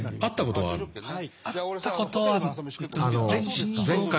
はい。